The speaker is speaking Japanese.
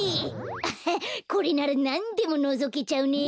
アハッこれならなんでものぞけちゃうね。